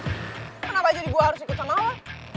kenapa jadi gue harus ikut sama lo